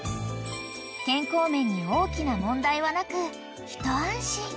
［健康面に大きな問題はなく一安心］